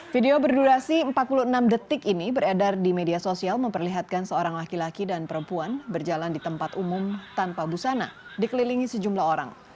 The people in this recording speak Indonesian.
video berdurasi empat puluh enam detik ini beredar di media sosial memperlihatkan seorang laki laki dan perempuan berjalan di tempat umum tanpa busana dikelilingi sejumlah orang